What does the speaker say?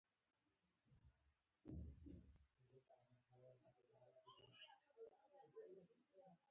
ازادي راډیو د د بیان آزادي په اړه د راتلونکي هیلې څرګندې کړې.